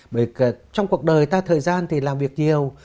bởi trong cuộc đời ta thời gian thì làm việc nhiều